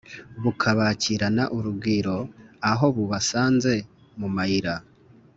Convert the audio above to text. bukabakirana urugwiro aho bubasanze mu mayira,